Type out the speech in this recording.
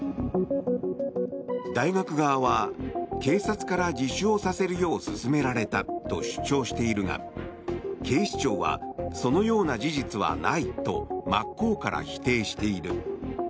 大学側は警察から自首をさせるよう勧められたと主張しているが警視庁はそのような事実はないと真っ向から否定している。